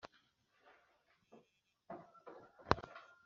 nishimye ngomba kugira imigi ibiri irwana